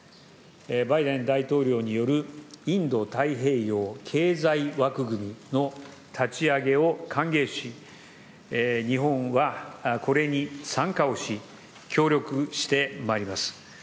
バイデン大統領によるインド太平洋経済枠組みの立ち上げを歓迎し、日本はこれに参加をし、協力してまいります。